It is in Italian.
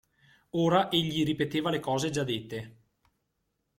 Ora egli ripeteva le cose già dette.